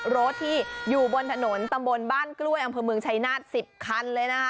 รถที่อยู่บนถนนตำบลบ้านกล้วยอำเภอเมืองชายนาฏ๑๐คันเลยนะคะ